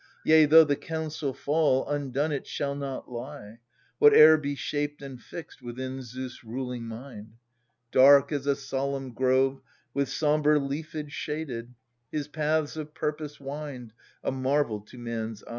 ^ Yea, though the counsel fall, undone it shall not lie, Whate'er be shaped and fixed within Zeus' ruling mind — Dark as a solemn grove, with sombre leafage shaded, His paths of purpose wind, A marvel to man's eye.